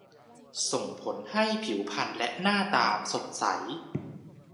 ส่งผลให้ผิวพรรณและหน้าตาสดใส